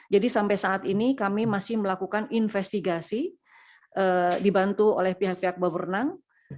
jadi sampai saat ini kami masih melakukan investigasi dibantu oleh pihak pihak bawa berenang